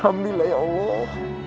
alhamdulillah ya allah